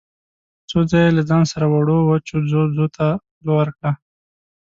څو ځايه يې له ځان سره وړو وچو ځوځو ته خوله ورکړه.